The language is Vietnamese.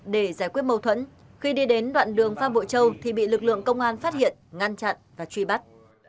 để giải quyết mâu thuẫn khi đi đến đoạn đường phan bội châu thì bị lực lượng công an phát hiện ngăn chặn và truy bắt